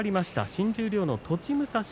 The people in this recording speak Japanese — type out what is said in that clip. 新十両の栃武蔵